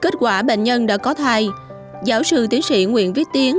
trong thời gian thay giáo sư tiến sĩ nguyễn viết tiến